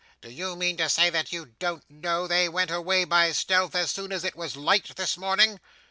Do you mean to say that you don't know they went away by stealth, as soon as it was light this morning?